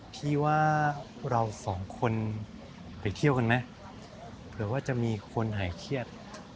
พี่ว่าเราสองคนไปเที่ยวกันไหมเผื่อว่าจะมีคนหายเครียด